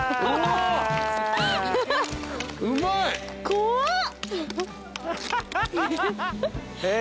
怖っ。